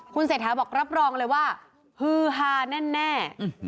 คุณเศรษฐาบอกรับรองเลยว่าฮือฮาแน่